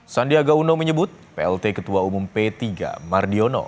sandiaga uno menyebut plt ketua umum p tiga mardiono